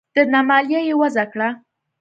درنه مالیه یې وضعه کړه